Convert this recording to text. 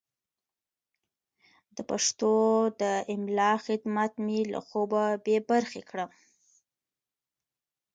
د پښتو د املا خدمت مې له خوبه بې برخې کړم.